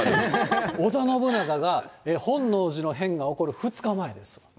織田信長が、本能寺の変が起こる２日前です。